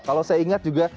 kalau saya ingat juga